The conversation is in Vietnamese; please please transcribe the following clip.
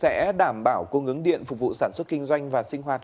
địa lực hà nội sẽ đảm bảo cung ứng điện phục vụ sản xuất kinh doanh và sinh hoạt